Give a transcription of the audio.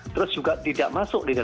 terus juga tidak masuk di jerman